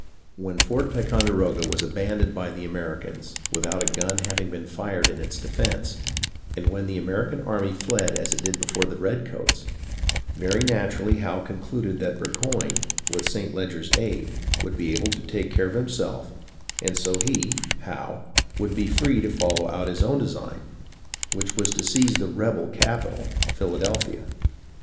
WTien Fort Ticonderoga was abandoned by the Ameri cans, without a gun haWng been fired in its defence, and when the American army fled as it did before the redcoats, very naturally Howe concluded that Burg0)Tie, with St. Leger's aid, would be able to take care of himself, and so he [Howe] would be free to follow out his own design, which was to seize the " rebel capital," Philadelphia.